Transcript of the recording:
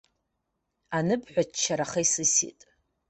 Аныбҳәа, ччараха исысит.